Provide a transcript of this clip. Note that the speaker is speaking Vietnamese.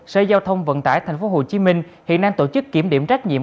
sở giao thông vận tải tp hcm hiện đang tổ chức kiểm điểm trách nhiệm